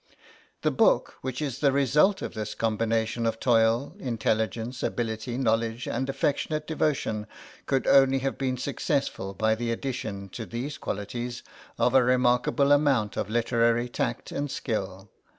The book which is the result of this combination of toil, intelligence, ability, knowledge, and affectionate devotion, could only have been successful by the addition to these qualities of a remarkable amount of literary tact and skill.